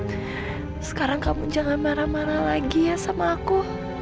sekarang kamu jangan marah marah lagi ya sama aku